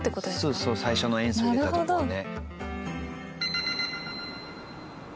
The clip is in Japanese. そうそう最初の塩素入れたとこをね。